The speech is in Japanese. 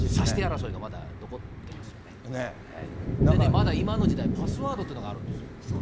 それでね、まだ今の時代、パスワードっていうのがあるんですよ。